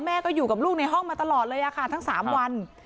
แม่ก็อยู่กับลูกในห้องมาตลอดเลยค่ะทั้ง๓วัน